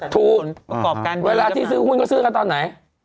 ประกอบกันเวลาที่ซื้อหุ้นก็ซื้อกันตอนไหน